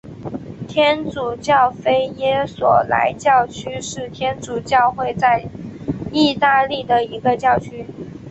天主教菲耶索莱教区是天主教会在义大利的一个教区。